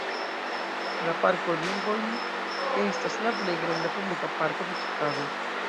La Parko Lincoln estas la plej granda publika parko de Ĉikago.